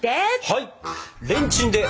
はい！